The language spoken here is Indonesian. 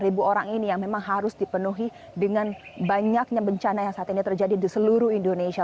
dua ribu orang ini yang memang harus dipenuhi dengan banyaknya bencana yang saat ini terjadi di seluruh indonesia